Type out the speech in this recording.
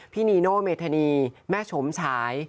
นีโนเมธานีแม่ชมฉาย